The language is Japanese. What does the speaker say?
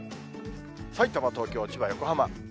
さいたま、東京、千葉、横浜。